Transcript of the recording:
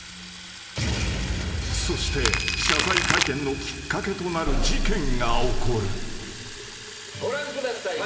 ［そして謝罪会見のきっかけとなる事件が起こる］ご覧ください。